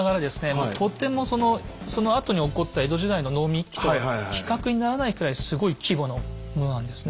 もうとてもそのそのあとに起こった江戸時代の農民一揆とは比較にならないくらいすごい規模のものなんですね。